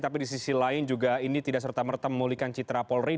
tapi di sisi lain juga ini tidak serta merta memulihkan citra polri